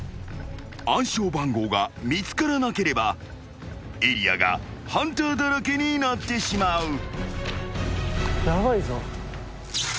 ［暗証番号が見つからなければエリアがハンターだらけになってしまう］